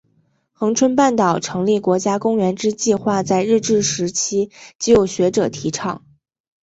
恒春半岛成立国家公园之计画在日治时期即有学者提倡。